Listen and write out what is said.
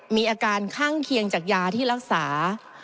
มีอาการข้างเคียงจากยาที่รักษา